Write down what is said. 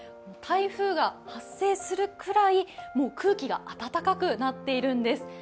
台風が発生するくらい、空気が暖かくなっているんです。